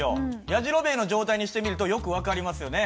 やじろべえの状態にしてみるとよく分かりますよね。